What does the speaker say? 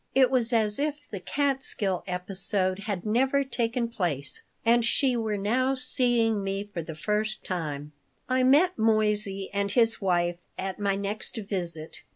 It was as if the Catskill episode had never taken place and she were now seeing me for the first time I met Moissey and his wife at my next visit.